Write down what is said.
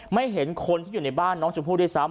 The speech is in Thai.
เห็นคนที่อยู่ในบ้านน้องชมพู่ด้วยซ้ำ